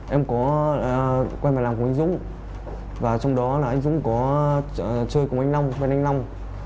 em có quen bài làm cùng anh dũng và trong đó anh dũng có chơi cùng anh long quen anh long